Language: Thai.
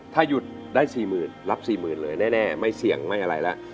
ถ้าหยุดได้๔๐๐๐รับ๔๐๐๐เลยแน่ไม่เสี่ยงไม่อะไรแล้ว